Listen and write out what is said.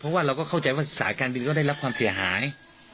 เพราะว่าเราก็เข้าใจว่าสายการบินก็ได้รับความเสียหาย